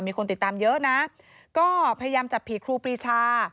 มีคนติดตามเยอะนะก็พยายามจับผีครูปรีชา